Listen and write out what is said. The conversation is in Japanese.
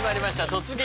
「突撃！